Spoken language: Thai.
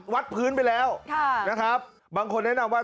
วัดพื้นไปแล้วบางคนแนะนำว่า